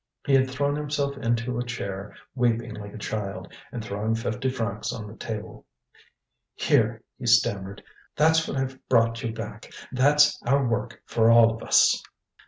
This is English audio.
He had thrown himself into a chair, weeping like a child, and throwing fifty francs on the table: "Here," he stammered. "That's what I've brought you back. That's our work for all of us."